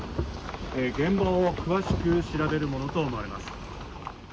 現場を詳しく調べるものと思われます。